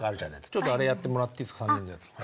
ちょっとあれやってもらっていいですか？